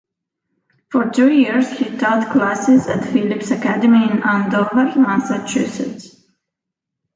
For two years, he taught classes at Phillips Academy in Andover, Massachusetts.